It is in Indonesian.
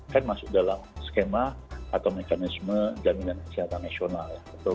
kan masuk dalam skema atau mekanisme jaminan kesehatan nasional ya